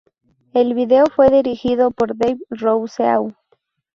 El video fue dirigido por Dave Rousseau.